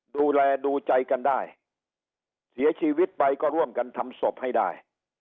ดูแลดูใจกันได้เสียชีวิตไปก็ร่วมกันทำศพให้ได้